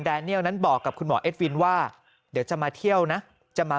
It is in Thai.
เนียลนั้นบอกกับคุณหมอเอ็ดวินว่าเดี๋ยวจะมาเที่ยวนะจะมา